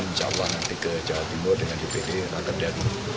pertemuan yang dihadiri oleh p tiga jawa timur dengan dpd akan dihadiri